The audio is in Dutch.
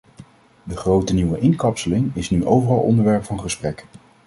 De grote nieuwe inkapseling is nu overal onderwerp van gesprek.